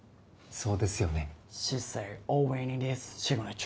そうですよね？